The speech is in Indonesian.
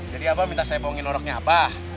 jadi abah minta saya bohongin noroknya abah